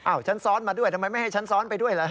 ฉันซ้อนมาด้วยทำไมไม่ให้ฉันซ้อนไปด้วยล่ะ